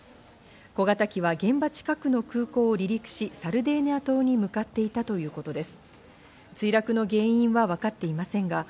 小型機は現場近くの空港を離陸し、サルデーニャ島に向かっていたということです。